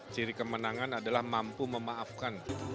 ciri kemenangan adalah mampu memaafkan